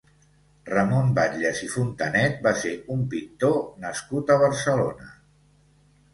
Ramon Batlles i Fontanet va ser un pintor nascut a Barcelona.